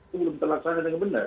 itu belum terlaksana dengan benar